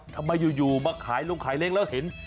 ทำไมอยู่มาขายลุงขายเล็กแล้วเห็น